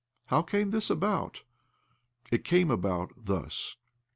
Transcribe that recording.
How came this about? It came about thus.